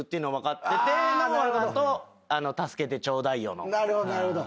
なるほどなるほど。